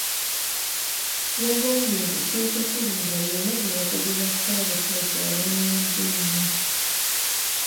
Yagambye nti Sheik Kulumba y'omu ku bakungu ba Ssabasajja abamanyiddwa ennyo.